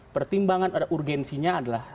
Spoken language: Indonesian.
pertimbangan atau urgensinya adalah